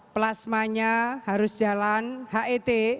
plasmanya harus jalan het